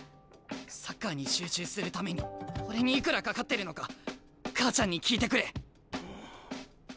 サッカーに集中するために俺にいくらかかってるのか母ちゃんに聞いてくれ。